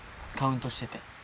カウントしてて。